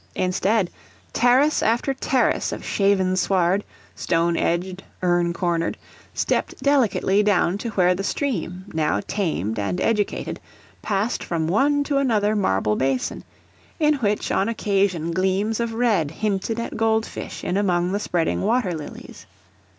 Instead, terrace after terrace of shaven sward, stone edged, urn cornered, stepped delicately down to where the stream, now tamed and educated, passed from one to another marble basin, in which on occasion gleams of red hinted at gold fish in among the spreading water lilies.